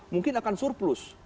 mungkin akan surplus